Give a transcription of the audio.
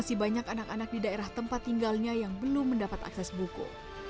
indu mendapat akses buku